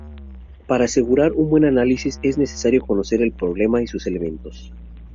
Para asegurar un buen análisis es necesario conocer el problema y sus elementos.